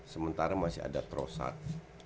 sementara masih ada trossard